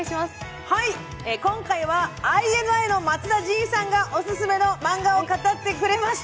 今回はＩＮＩの松田迅さんがオススメのマンガを語ってくれました。